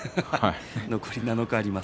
残り７日あります。